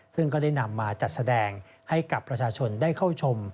ซึ่งก็ได้นำมาจัดแสดงให้กับประชาชนได้เข้าชม